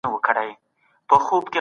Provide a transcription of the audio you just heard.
د وچکالۍ لپاره چمتووالی ولرئ.